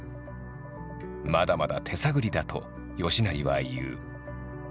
まだまだ手探りだと吉成は言う。